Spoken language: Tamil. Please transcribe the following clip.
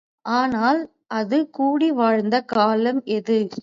ஆனால் அது கூடி வாழ்ந்த காலம் எது?